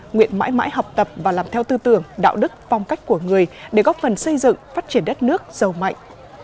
nguyện mãi mãi học tập và làm theo tư tưởng đạo đức phong cách của người để góp phần xây dựng phát triển đất nước giàu mạnh